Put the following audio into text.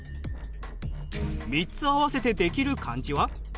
３つ合わせてできる漢字は？